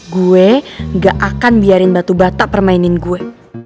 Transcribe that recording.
gue gak akan biarin batu batak permainin gue